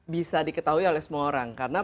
bisa diketahui oleh semua orang karena